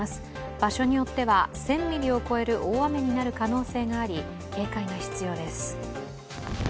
場所によっては１０００ミリを超える大雨になる可能性があり、警戒が必要です。